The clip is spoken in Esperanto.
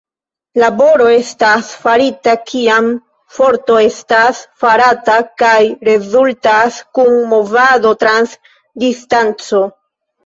Laboro estas farita kiam forto estas farata kaj rezultas kun movado trans distanco.